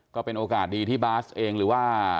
ก็เป็นโอกาสดีที่บาสเองหรือว่า